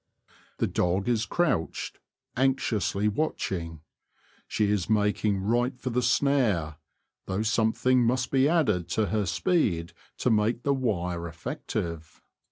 The dog is crouched, anxiously watching ; she is making right for the snare, though something must be added to her speed to make the wire efiective.